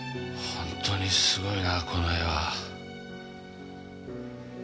ほんとにすごいなこの絵は。